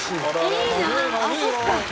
いいなあああそっか。